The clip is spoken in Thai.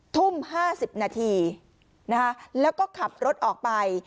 ทุ่ม๕๐นาทีแล้วก็ขับรถออกไป